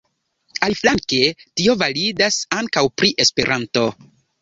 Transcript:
Aliflanke, tio validas ankaŭ pri Esperanto.